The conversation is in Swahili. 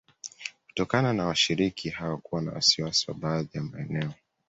Kutokana na washiriki hao kuwa na wasiwasi wa baadhi ya maeneo